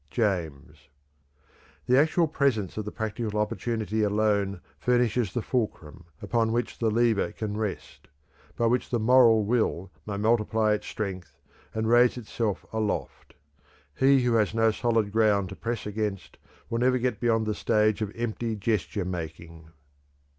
James. "The actual presence of the practical opportunity alone furnishes the fulcrum upon which the lever can rest, by which the moral will may multiply its strength and raise itself aloft. He who has no solid ground to press against will never get beyond the stage of empty gesture making."